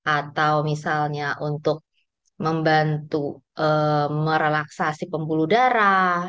atau misalnya untuk membantu merelaksasi pembuluh darah